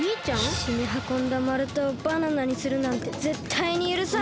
ひっしにはこんだまるたをバナナにするなんてぜったいにゆるさん！